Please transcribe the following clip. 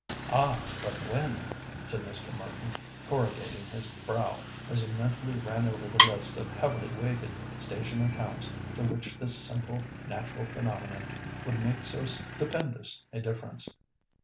"Ah! but when?" said Mr. Merton, corrugating his brow, as he mentally ran over the list of heavily weighted station accounts to which this simple natural phenomenon would make so stupendous a difference.